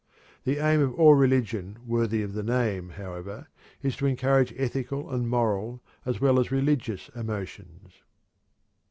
The aim of all religion worthy of the name, however, is to encourage ethical and moral as well as religious emotions.